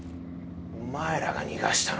お前らが逃がしたのか？